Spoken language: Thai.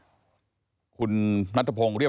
เพื่อที่จะได้หายป่วยทันวันที่เขาชีจันทร์จังหวัดชนบุรี